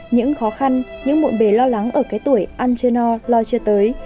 những khó khăn những bộn bề lo lắng ở cái tuổi ăn chưa no lo chưa tới